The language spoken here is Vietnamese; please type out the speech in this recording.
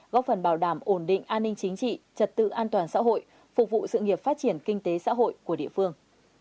góp phần bảo đảm ổn định an ninh chính trị trật tự an toàn xã hội phục vụ sự nghiệp phát triển kinh tế xã hội của địa phương